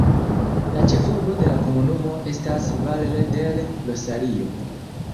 La ĉefurbo de la komunumo estas Valle del Rosario.